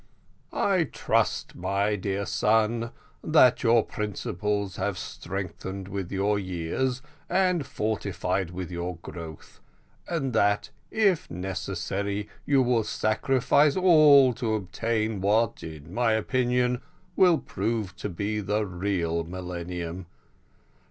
"I trust, my dear son, that your principles have strengthened with your years and fortified with your growth, and that, if necessary, you will sacrifice all to obtain what in my opinion will prove to be the real millennium.